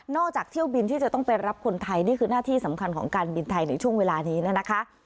จากเที่ยวบินที่จะต้องไปรับคนไทยนี่คือหน้าที่สำคัญของการบินไทยในช่วงเวลานี้นะคะ